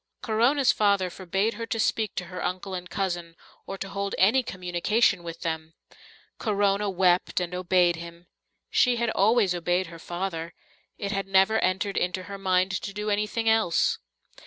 Corona's father forbade her to speak to her uncle and cousin or to hold any communication with them. Corona wept and obeyed him. She had always obeyed her father; it had never entered into her mind to do anything else.